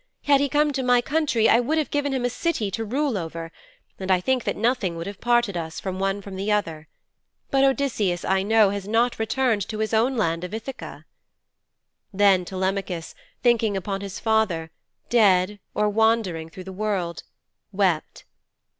Had he come to my country I would have given him a city to rule over, and I think that nothing would have parted us, one from the other. But Odysseus, I know, has not returned to his own land of Ithaka.' Then Telemachus, thinking upon his father, dead, or wandering through the world, wept.